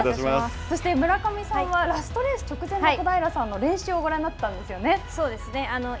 そして村上さんはラストレース直前の小平さんの練習をそうですね。